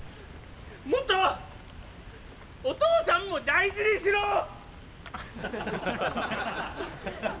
もっとお父さんを大事にしろ！